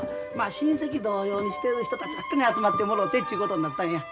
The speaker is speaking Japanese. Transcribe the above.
親戚同様にしてる人たちばっかりに集まってもろてちゅうことになったんや。